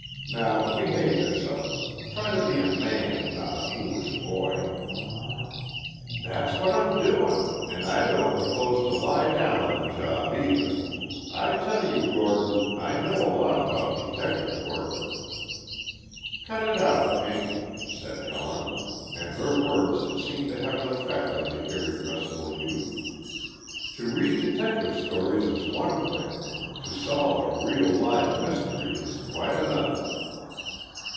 Now, behave yourself. Try to be a man, not a foolish boy." "That's what I'm doing! And I don't propose to lie down on the job, either. I tell you, Gordon. I know a lot about detective work—" "Cut it out, Pink," said Helen, and her words seemed to have an effect on the irrepressible youth. "To read detective stories is one thing—to solve a real, live mystery is quite another."